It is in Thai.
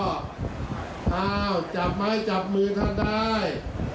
สาวจะไม่จากมือท่านได้